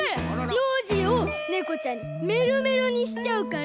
ノージーをねこちゃんにメロメロにしちゃうから。